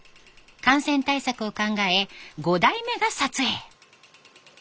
感染対策を考え５代目が撮影。